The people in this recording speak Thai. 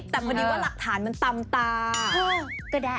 แต่พอดีว่าหลักฐานมันตำตาก็ได้